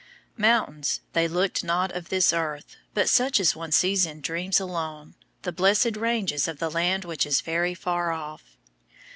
Mountains they looked not of this earth, but such as one sees in dreams alone, the blessed ranges of "the land which is very far off."